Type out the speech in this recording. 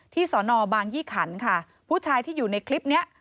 สอนอบางยี่ขันค่ะผู้ชายที่อยู่ในคลิปนี้